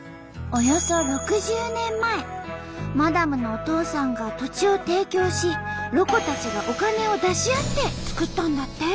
およそ６０年前マダムのお父さんが土地を提供しロコたちがお金を出し合って作ったんだって。